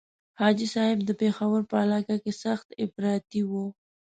حاجي صاحب د پېښور په علاقه کې سخت افراطي وو.